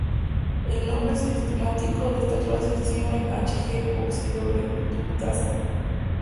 El nombre sistemático de esta clase de enzimas es Hg: oxidorreductasa.